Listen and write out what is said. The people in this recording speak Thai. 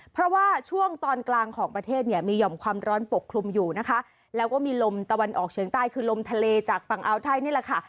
เพราะว่าช่วงตอนกลางของประเทศเนี่ยมีห่อมความร้อนปกคลุมอยู่นะคะแล้วก็มีลมตะวันออกเฉียงใต้คือลมทะเลจากฝั่งอาวไทยนี่แหละค่ะ